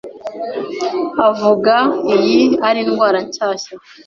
avuga iyi ari indwara nshyashya